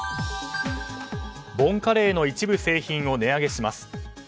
ボンカレーの一部製品を値上げします。